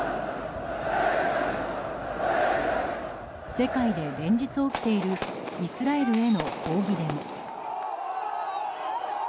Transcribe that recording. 世界で連日起きているイスラエルへの抗議デモ。